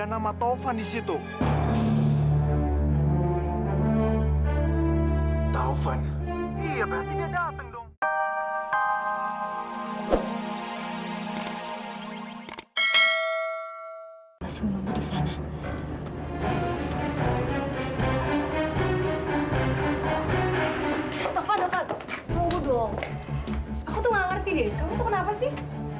kamu tuh kenapa sih